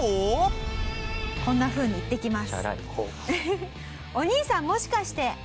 こんなふうに言ってきます。